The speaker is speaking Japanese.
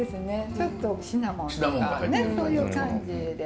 ちょっとシナモンとかねそういう感じで。